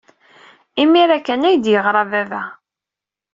Imir-a kan ay d-yeɣra baba.